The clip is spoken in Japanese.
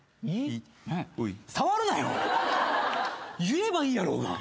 言えばいいやろうが。